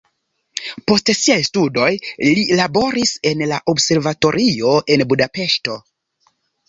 Post siaj studoj li laboris en la observatorio en Budapeŝto.